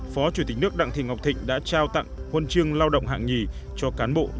phó chủ tịch nước đặng thị ngọc thịnh đã trao tặng huân chương lao động hạng nhì cho cán bộ